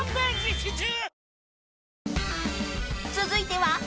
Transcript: ［続いては］